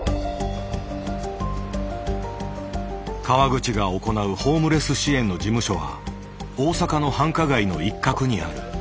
川口が行うホームレス支援の事務所は大阪の繁華街の一角にある。